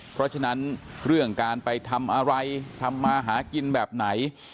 เพราะฉะนั้นเรื่องการไปทำอะไรทำมาหากินแบบไหน